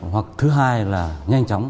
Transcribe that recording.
hoặc thứ hai là nhanh chóng